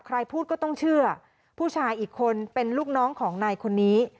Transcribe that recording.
ใครพูดก็ต้องเชื่อผู้ชายอีกคนเป็นลูกน้องของนายคนนี้